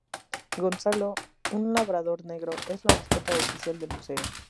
Gonzalo, un labrador negro, es la mascota oficial del museo.